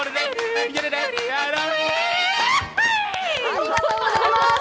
ありがとうございます。